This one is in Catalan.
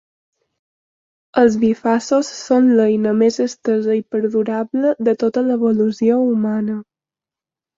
Els bifaços són l'eina més estesa i perdurable de tota l'evolució humana.